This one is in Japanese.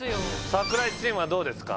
櫻井チームはどうですか？